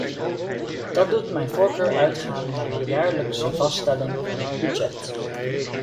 Dat doet mijn voorkeur uitgaan naar een jaarlijkse vaststelling van het budget.